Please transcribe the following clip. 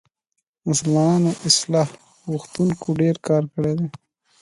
مسلمانو اصلاح غوښتونکو ډېر کار کړی دی.